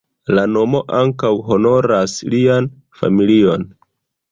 La nomo ankaŭ honoras lian familion.